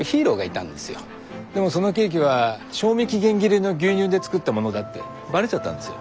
でもそのケーキは賞味期限切れの牛乳で作ったものだってバレちゃったんですよ。